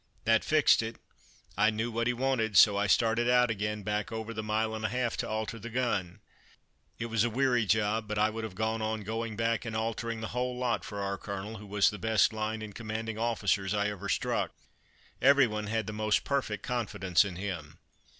That fixed it. I knew what he wanted; so I started out again, back over the mile and a half to alter the gun. It was a weary job; but I would have gone on going back and altering the whole lot for our Colonel, who was the best line in commanding officers I ever struck. Every one had the most perfect confidence in him.